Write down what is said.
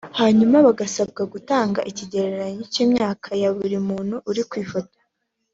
hanyuma bagasabwa gutanga ikigereranyo cy’imyaka ya buri muntu uri ku ifoto